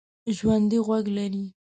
ژوندي غوږ لري